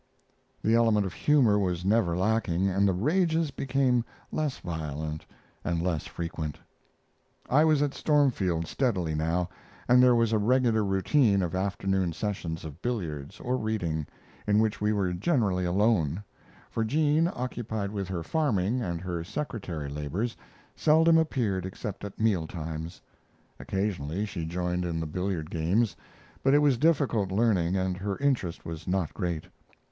The element of humor was never lacking, and the rages became less violent and less frequent. I was at Stormfield steadily now, and there was a regular routine of afternoon sessions of billiards or reading, in which we were generally alone; for Jean, occupied with her farming and her secretary labors, seldom appeared except at meal times. Occasionally she joined in the billiard games; but it was difficult learning and her interest was not great.